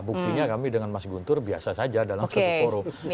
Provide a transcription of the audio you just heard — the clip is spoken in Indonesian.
buktinya kami dengan mas guntur biasa saja dalam satu forum